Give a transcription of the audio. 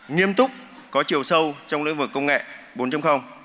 nghiêm túc có chiều sâu trong lĩnh vực công nghệ bốn